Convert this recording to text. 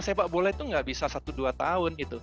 sepak bola itu nggak bisa satu dua tahun